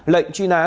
lệnh truy nã